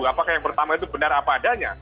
apakah yang pertama itu benar apa adanya